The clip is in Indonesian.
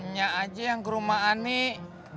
nya aja yang kerumaan nih